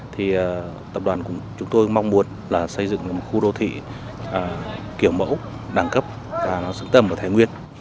thì tập đoàn của chúng tôi mong muốn là xây dựng một khu đô thị kiểu mẫu đẳng cấp và xứng tầm ở thái nguyên